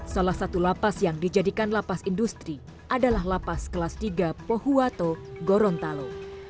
salah satu lapas yang dijadikan lapas industri adalah lapas kelas tiga pohuwato gorontalo